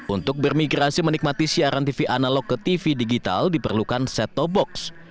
untuk bermigrasi menikmati siaran tv analog ke tv digital diperlukan setobox